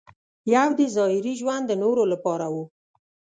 یو دې ظاهري ژوند د نورو لپاره و.